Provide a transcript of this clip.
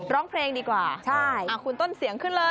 ร้องเพลงดีกว่าคุณต้นเสียงขึ้นเลยใช่คุณต้นเสียงขึ้นเลย